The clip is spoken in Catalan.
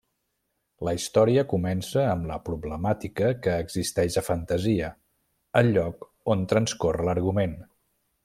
La història comença amb la problemàtica que existeix a Fantasia, el lloc on transcorre l'argument.